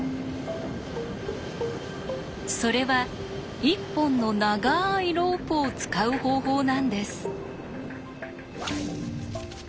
それは１本の長いロープを使う方法なんです。